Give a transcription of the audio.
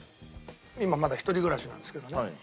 今まだ一人暮らしなんですけどね